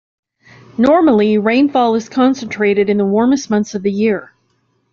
Normally, rainfall is concentrated in the warmest months of the year.